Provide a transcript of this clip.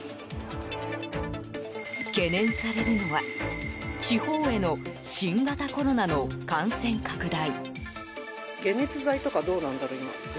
懸念されるのは地方への新型コロナの感染拡大。